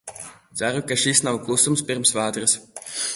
Ceru, ka šis nav klusums pirms vētras.